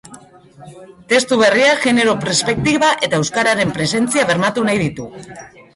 Testu berriak genero perspektiba eta euskararen presentzia bermatu nahi ditu.